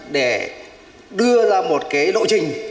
để đưa ra một cái lộ trình